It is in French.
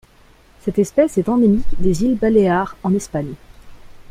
Cette espèce est endémique des îles Baléares en Espagne.